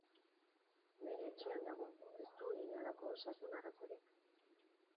Bere etxean dago, ez du inolako osasun arazorik.